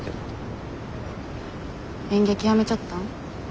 演劇やめちゃったん？